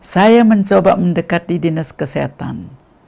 saya mencoba mendekati dinas kesehatan